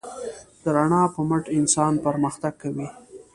د رڼا په مټ انسان پرمختګ کوي.